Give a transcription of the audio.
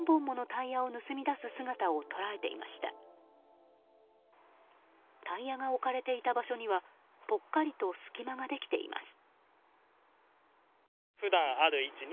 タイヤが置かれていた場所にはぽっかりと隙間ができています。